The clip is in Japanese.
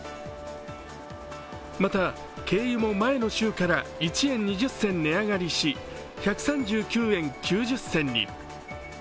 また、軽油も前の週から１円２０銭値上がりし１３９円９０銭に。